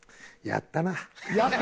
「やったな」！？